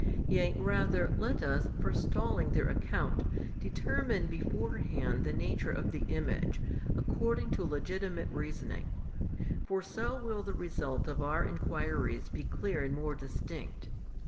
Yea rather let us forestalling their account, determine beforehand the Nature of the Image, according to legitimate reasoning: for so will the result of our enquiries be clear and more distinct.